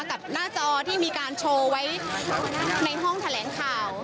กับหน้าจอที่มีการโชว์ไว้ในห้องแถลงข่าว